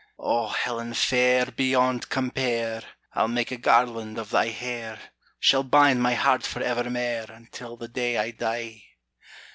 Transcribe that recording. O Helen fair, beyond compare! I'll make a garland of thy hair Shall bind my heart for evermair Until the day I die.